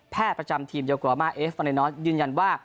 แพทย์ประจำทีมเจ้ากรม่าเอฟวันนั้นยืนยันว่า